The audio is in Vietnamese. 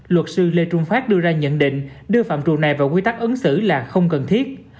luật sư lê trung phát đưa ra nhận định đưa phạm trụ này vào quy tắc ứng xử là không cần thiết